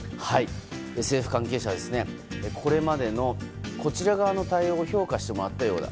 政府関係者はこれまでのこちら側の対応を評価してもらったようだ。